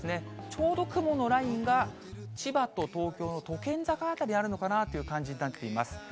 ちょうど雲のラインが千葉と東京の都県境辺りにあるのかなという感じになっています。